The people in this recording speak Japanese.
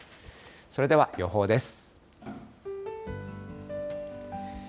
それでは予報です。